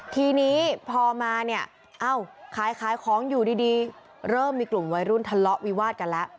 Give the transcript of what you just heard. ทีนี้พอมาเนี่ยเอ้าขายของอยู่ดีเริ่มมีกลุ่มวัยรุ่นทะเลาะวิวาดกันแล้ว